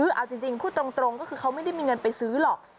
คือเอาจริงพูดตรงก็คือเขาไม่ได้มีเงินไปซื้อหรอก